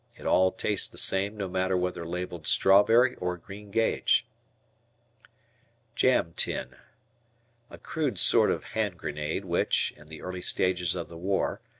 It all tastes the same no matter whether labelled "Strawberry" or "Green Gage." "Jam Tin." A crude sort of hand grenade which, in the early stages of the war.